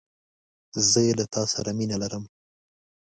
زه له تاسره مینه لرم